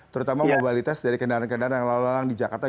terutama mobilitas dari kendaraan kendaraan yang lalu lalang di jakarta